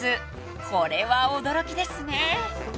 ［これは驚きですね］